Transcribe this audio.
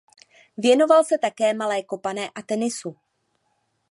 Věnoval se také malé kopané a tenisu.